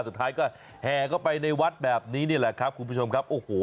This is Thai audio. สุดท้ายก็แห่เข้าไปในวัดแบบนี้นี่แหละครับคุณผู้ชมครับโอ้โห